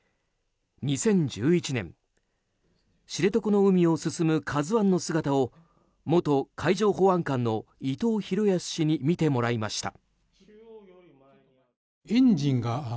２０１１年、知床の海を進む「ＫＡＺＵ１」の姿を元海上保安監の伊藤裕康氏に見てもらいました。